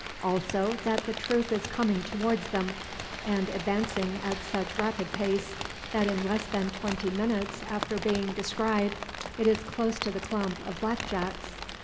Also that the troop is coming towards them, and advancing at such rapid pace, that in less than twenty minutes after being descried, it is close to the clump of black jacks.